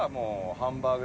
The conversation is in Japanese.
ハンバーグ？